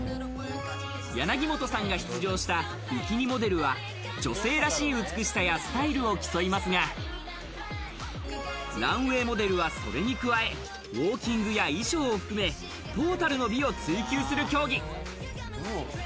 柳本さんが出場したビキニモデルは女性らしい美しさやスタイルを競いますが、ランウェイモデルは、それに加え、ウオーキングや衣装を含め、トータルの美を追求する競技。